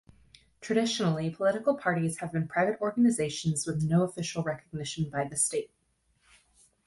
Traditionally political parties have been private organisations with no official recognition by the state.